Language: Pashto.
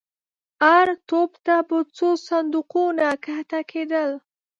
هر توپ ته به څو صندوقونه کښته کېدل.